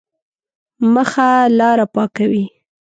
مخه لاره پاکوي.